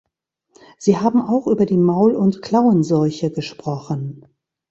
Sie haben auch über die Maul- und Klauenseuche gesprochen.